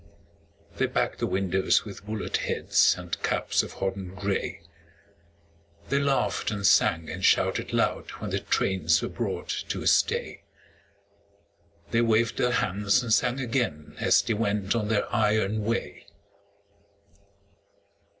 They packed the windows with bullet heads And caps of hodden gray; They laughed and sang and shouted loud When the trains were brought to a stay; They waved their hands and sang again As they went on their iron way.